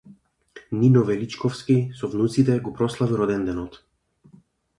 Нино Величковски со внуците го прослави роденденот